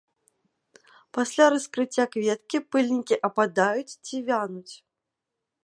Пасля раскрыцця кветкі пыльнікі ападаюць ці вянуць.